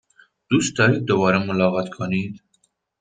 دوست دارید دوباره ملاقات کنید؟